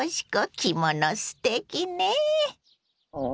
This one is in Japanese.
着物すてきね。